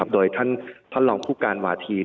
โดยท่านท่านลองผู้การวาธี